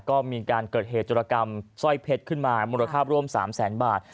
ก็มีการเกิดเหตุจุรกรรมสร้อยเพชรขึ้นมามูลค่าร่วม๓แสนบาท